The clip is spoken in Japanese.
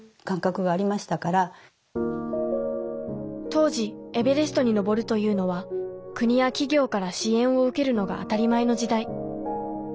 当時エベレストに登るというのは国や企業から支援を受けるのが当たり前の時代。